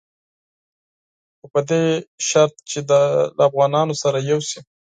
خو په دې شرط چې له افغانانو سره یو شي.